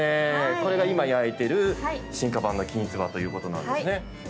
これが今、焼いている進化版のきんつばということなんですね。